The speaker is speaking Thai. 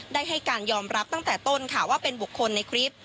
ได้ให้การยอมรับตั้งแต่ต้นค่ะว่าเป็นบุคคลในคลิป